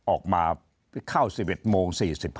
ออกมา๑๑โมง๔๕